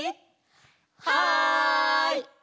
はい！